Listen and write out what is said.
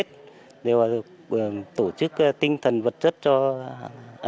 để tổ chức tinh thần vật chất cho các can phạm nhân để tổ chức tinh thần vật chất cho các can phạm nhân